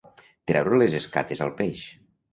treure les escates al peix